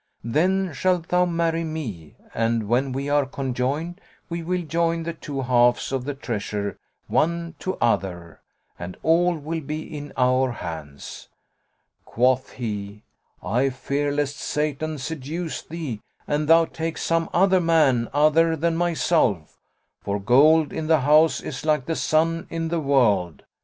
Then shalt thou marry me and, when we are conjoined, we will join the two halves of the treasure one to other, and all will be in our hands." Quoth he, "I fear lest Satan seduce thee and thou take some other man other than myself; for gold in the house is like the sun in the world.